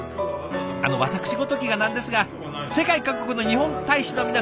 あの私ごときがなんですが世界各国の日本大使の皆さん